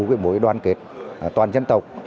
của mỗi đoàn kết toàn dân tộc